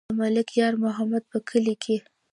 د ملک یار محمد په کلي کې.